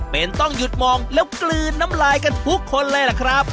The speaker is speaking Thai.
เป็นต้องหยุดมองแล้วกลืนน้ำลายกันทุกคนเลยล่ะครับ